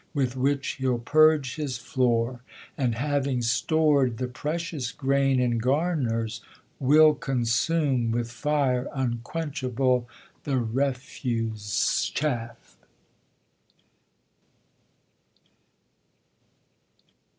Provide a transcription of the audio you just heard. With which he ll purge his floor, and having stor'd The precious grain in garners, will consume With fire unquenchable the refuse chaflf..